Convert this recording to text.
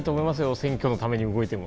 選挙のために動いても。